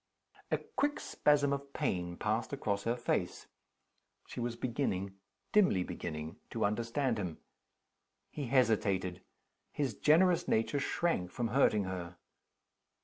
A quick spasm of pain passed across her face. She was beginning, dimly beginning, to understand him. He hesitated. His generous nature shrank from hurting her.